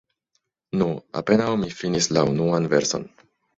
Nu, apenaŭ mi finis la unuan verson.